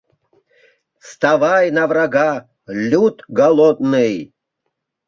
Вставай на врага, люд голодный!